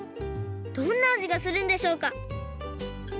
どんなあじがするんでしょうか？